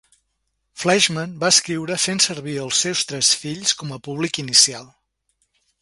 Fleschman va escriure fent servir els seus tres fills com a públic inicial.